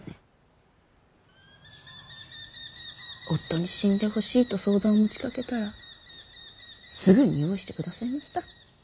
夫に死んでほしいと相談を持ちかけたらすぐに用意してくださいました。